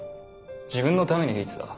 自分のために弾いてた。